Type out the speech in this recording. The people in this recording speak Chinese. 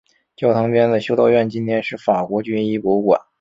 教堂边的修道院今天是法国军医博物馆。